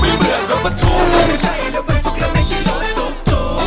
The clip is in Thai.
มันเปลี่ยนคำว่ามันไม่ใช่ระวังจุกและไม่ใช่โหลดตุ๊ก